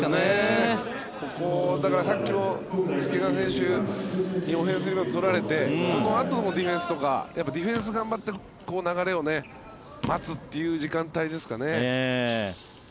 ここ、だからさっきも介川選手オフェンスリバウンド取られてそこをあとのディフェンスとかディフェンスを頑張って流れを待つという時間帯ですかね。